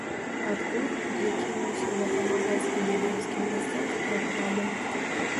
Артур, які мусіў дапамагаць скандынаўскім гасцям з перакладам.